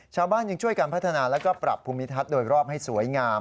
ชาวบ้านยังช่วยกันพัฒนาแล้วก็ปรับภูมิทัศน์โดยรอบให้สวยงาม